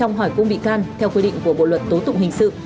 hỏi cung bị can theo quy định của bộ luật tố tụng hình sự